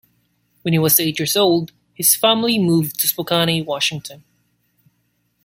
When he was eight years old, his family moved to Spokane, Washington.